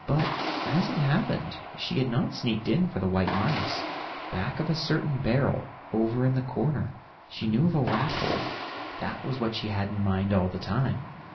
But, as it happened, she had not sneaked in for white mice; back of a certain barrel, over in the corner, she knew of a rat hole. That was what she had in mind all the time.